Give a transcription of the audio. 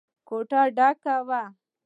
کوټه ډکه وه.